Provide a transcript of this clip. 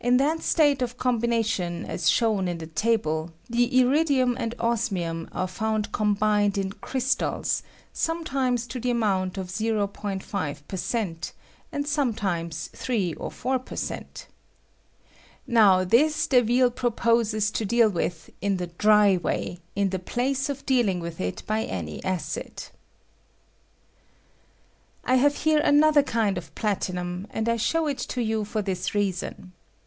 195 I combination as shown in the table, the iridium and osmium are found combined in crystals sometimes to the amount of 0'5 per cent., and sometimes 3 or 4 per cent. Now this Deville proposes to deal witE in the dry way, in the place of dealing with it by any acid. I I have here another kind of platinnm"; and I show it to you for this reason.